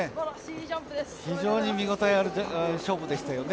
非常に見応えある勝負でしたね。